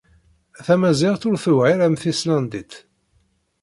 Tamaziɣt ur tewɛiṛ am tislandit.